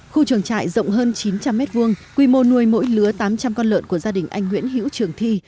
khu trường trại rộng hơn chín trăm linh m hai quy mô nuôi mỗi lứa tám trăm linh con lợn của gia đình anh nguyễn hiễu trường thi